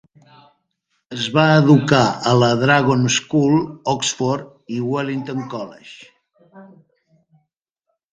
Es va educar a la Dragon School, Oxford i Wellington College.